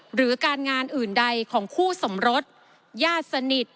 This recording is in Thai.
หรือการงานอื่นใดของคู่สมรสญาติสนิท